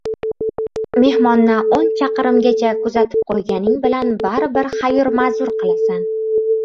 • Mehmonni o‘n chaqirimgacha kuuzatib qo‘yganing bilan baribir xayr-ma’zur qilasan.